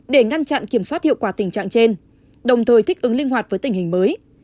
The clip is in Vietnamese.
để ngăn chặn kiểm soát hiệu quả tình trạng trên đồng thời thích ứng linh hoạt với tình hình mới